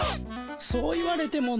そう言われてもの。